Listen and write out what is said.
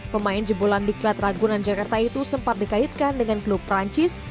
perat ragunan jakarta itu sempat dikaitkan dengan klub perancis